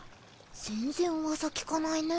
全然噂聞かないね。